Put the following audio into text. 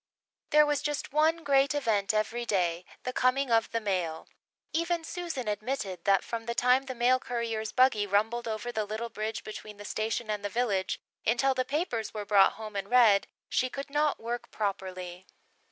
There was just one great event every day the coming of the mail. Even Susan admitted that from the time the mail courier's buggy rumbled over the little bridge between the station and the village until the papers were brought home and read, she could not work properly.